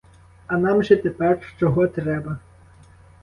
А нам же тепер чого треба?